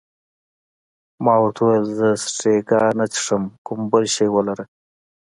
ما ورته وویل: زه سټریګا نه څښم، کوم بل شی ولره.